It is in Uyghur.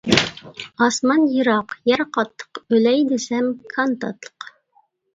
ئاسمان يىراق يەر قاتتىق، ئۆلەي دېسەم كان تاتلىق.